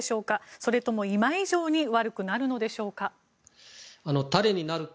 それとも今以上に悪くなるのでしょうか。